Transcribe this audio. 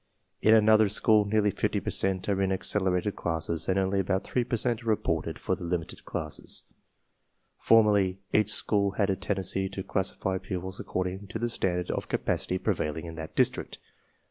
In another school nearly 50 per cent are in accelerated classes and only about 3 per cent are reported for the limited classes. Formerly, each school had a tendency to classify pupils according to the standard of capacity prevailing in that district.